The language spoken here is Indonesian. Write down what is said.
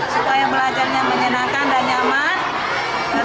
supaya belajarnya menyenangkan dan nyaman